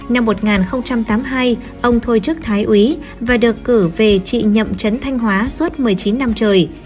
năm một nghìn tám mươi hai ông thôi chức thái úy và được cử về chị nhậm chấn thanh hóa suốt một mươi chín năm trời